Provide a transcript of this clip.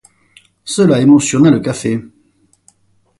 Cela émotionna le café.